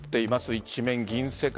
一面、銀世界。